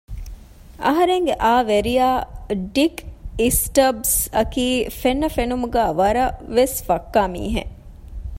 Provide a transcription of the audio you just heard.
އަހަރެންގެ އައު ވެރިޔާ ޑިކް އިސްޓަބްސް އަކީ ފެންނަ ފެނުމުގައި ވަރަށް ވެސް ފައްކާ މީހެއް